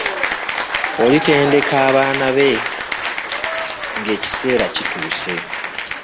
Olitendeka abaana be ng'ekiseera kituuse.